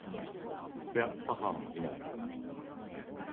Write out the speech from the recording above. いや母はいない。